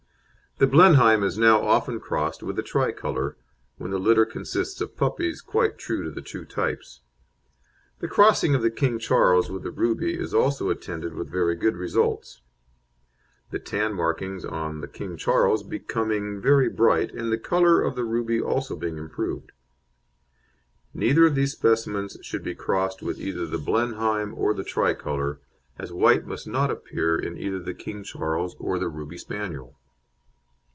The Blenheim is now often crossed with the Tricolour, when the litter consist of puppies quite true to the two types. The crossing of the King Charles with the Ruby is also attended with very good results, the tan markings on the King Charles becoming very bright and the colour of the Ruby also being improved. Neither of these specimens should be crossed with either the Blenheim or the Tricolour, as white must not appear in either the King Charles or the Ruby Spaniel.